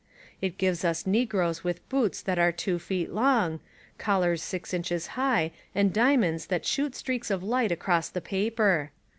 It gives us negroes with boots that are two feet long, collars six inches high and diamonds that shoot streaks of light across the paper.